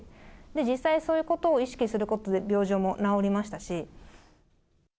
実際、そういうことを意識することで病状も治りましたし。